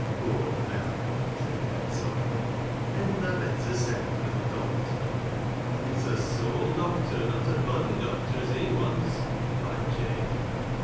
" Poor felley," said Ben softly ;" hedn't thaa better send fur th' doctor? "" It's a soul doctor an' not a body doctor as he wants," replied Jabe.